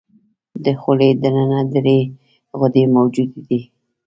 د خولې د ننه درې غدې موجودې دي.